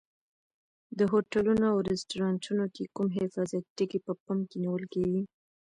د هوټلونو او رستورانتونو کې کوم حفاظتي ټکي په پام کې نیول کېږي؟